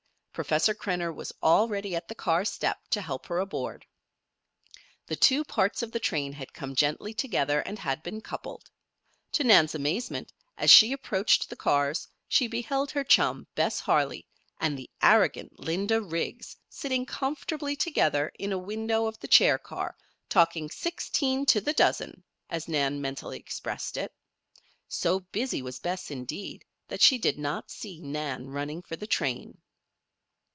Professor Krenner was already at the car step to help her aboard. The two parts of the train had come gently together, and had been coupled. To Nan's amazement, as she approached the cars, she beheld her chum, Bess Harley, and the arrogant Linda Riggs, sitting comfortably together in a window of the chair car, talking "sixteen to the dozen," as Nan mentally expressed it. So busy was Bess, indeed, that she did not see Nan running for the train.